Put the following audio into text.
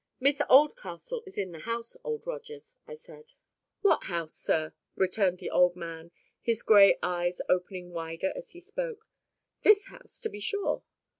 "Miss Oldcastle is in the house, Old Rogers," I said. "What house, sir?" returned the old man, his gray eyes opening wider as he spoke. "This house, to be sure."